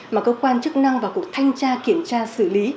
mà cơ quan chức năng và cuộc thanh tra kiểm tra xử lý